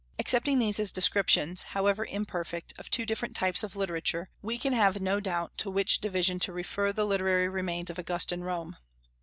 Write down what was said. Accepting these as descriptions, however imperfect, of two different types of literature, we can have no doubt to which division to refer the literary remains of Augustan Rome.